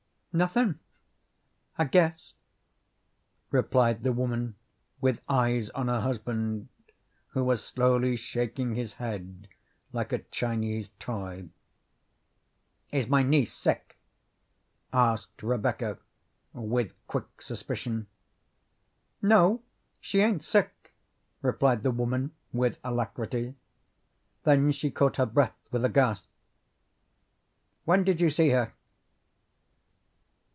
"Nothin', I guess," replied the woman, with eyes on her husband, who was slowly shaking his head, like a Chinese toy. "Is my niece sick?" asked Rebecca with quick suspicion. "No, she ain't sick," replied the woman with alacrity, then she caught her breath with a gasp. "When did you see her?"